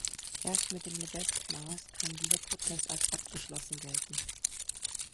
Erst mit dem Lebesgue-Maß kann dieser Prozess als abgeschlossen gelten.